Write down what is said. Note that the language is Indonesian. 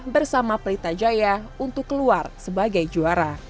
bersama pelita jaya untuk keluar sebagai juara